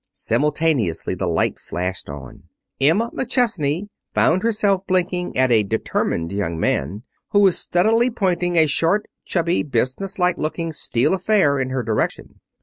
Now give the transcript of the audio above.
Simultaneously the light flashed on. Emma McChesney found herself blinking at a determined young man who was steadily pointing a short, chubby, businesslike looking steel affair in her direction.